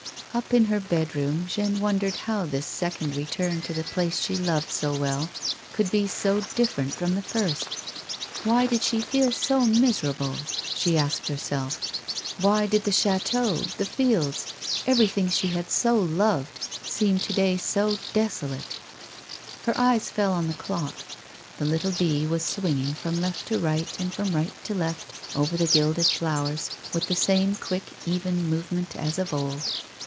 Up in her bedroom Jeanne wondered how this second re turn to the place she loved so well could be so difierent from the first. " Why did she feel so miserable 1 " she asked her self ;" why did the chateau, the fields, everything she had so loved, seem to day so desolate ?" Her eyes fell on the clock. The little bee was swinging from left to right and from right to left over the gilded flowers, with the same quick, even movement as of old.